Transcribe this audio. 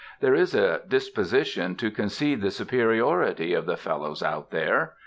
There is a disposition to concede the superiority of the fellows Out There ...